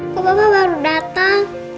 kok bapak baru datang